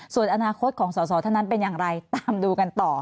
ส่วนอนาคตของสอสอท่านนั้นเป็นอย่างไรตามดูกันต่อ